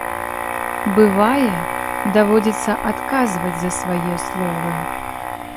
Бывае, даводзіцца адказваць за свае словы.